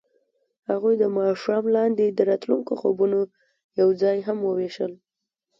هغوی د ماښام لاندې د راتلونکي خوبونه یوځای هم وویشل.